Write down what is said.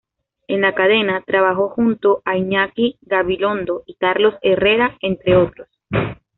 En la cadena, trabajó junto a Iñaki Gabilondo y Carlos Herrera entre otros.